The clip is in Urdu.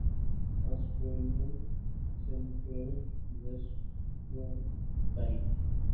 Australian central western time